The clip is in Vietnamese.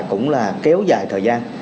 cũng là kéo dài thời gian